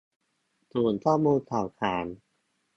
ศูนย์ข้อมูลข่าวสาร